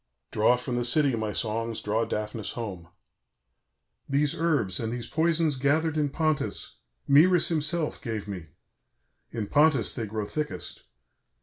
"Draw from the city, my songs, draw Daphnis home. "These herbs, and these poisons gathered in Pontus, Mœris himself gave me; in Pontus they grow thickest.